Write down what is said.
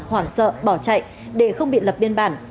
hoảng sợ bỏ chạy để không bị lập biên bản